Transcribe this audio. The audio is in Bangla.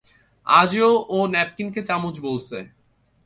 আজও ও ন্যাপকিনকে চামচ বলছে।